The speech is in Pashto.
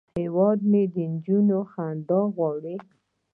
هیواد مې د نجونو خندا غواړي